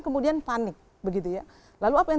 kemudian panik begitu ya lalu apa yang